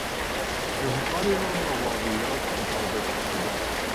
اظهاری را با واقعیات مطابق کردن